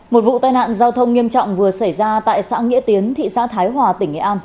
một vụ tai nạn giao thông nghiêm trọng vừa xảy ra tại xã nghĩa tiến thị xã thái hòa tỉnh nghệ an